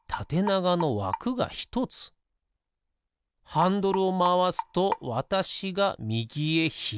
ハンドルをまわすとわたしがみぎへひだりへ。